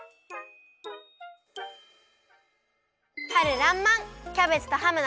はるらんまん！